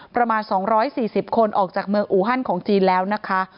ประมาณ๒๔๐คนออกจากเมืองอูฮันของจีนแล้วนะคะ